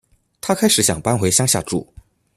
她开始想搬回乡下住